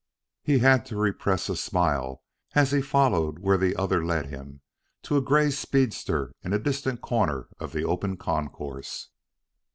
He had to repress a smile as he followed where the other led him to a gray speedster in a distant corner of the open concourse.